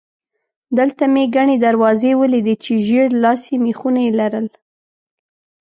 دلته مې ګڼې دروازې ولیدې چې ژېړ لاسي مېخونه یې لرل.